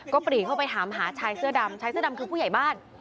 ก็ปรีเข้าไปถามหาชายเสื้อดำชายเสื้อดำคือผู้ใหญ่บ้าน